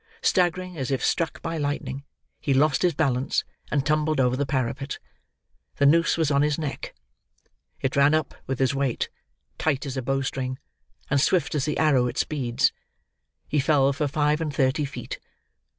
Staggering as if struck by lightning, he lost his balance and tumbled over the parapet. The noose was on his neck. It ran up with his weight, tight as a bow string, and swift as the arrow it speeds. He fell for five and thirty feet.